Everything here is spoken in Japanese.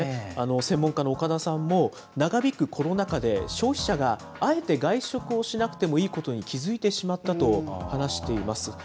専門家の岡田さんも、長引くコロナ禍で、消費者があえて外食をしなくてもいいことに気付いてしまったと話しています。